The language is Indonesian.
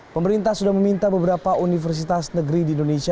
pemerintah sudah meminta beberapa universitas negeri di indonesia